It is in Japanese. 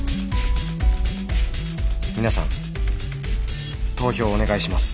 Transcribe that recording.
「皆さん投票をお願いします」。